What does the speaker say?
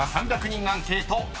３００人アンケート］